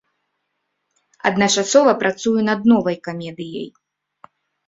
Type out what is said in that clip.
Адначасова працую над новай камедыяй.